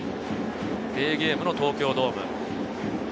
デーゲームの東京ドーム。